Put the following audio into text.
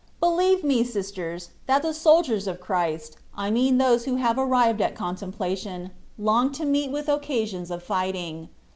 Believe me, sisters, that the soldiers of Christ, I mean those who have arrived at contemplation, long to meet with occasions of fighting.